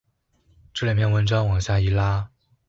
這兩篇文章往下一拉